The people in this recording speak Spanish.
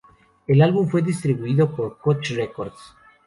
El álbum fue distribuido por Koch Records.